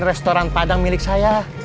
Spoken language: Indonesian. restoran padang milik saya